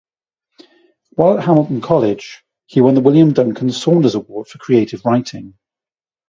While at Hamilton College, he won the William Duncan Saunders Award for creative writing.